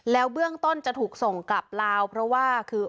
แล้วเบื้องต้นจะถูกส่งกลับลาวเพราะว่าคือ